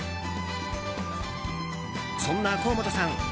そんな甲本さん